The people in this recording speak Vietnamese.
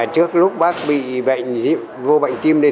trước lúc bác bị bệnh vô bệnh tim này